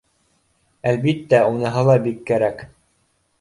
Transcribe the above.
Әлбиттә, уныһы ла бик кәрәк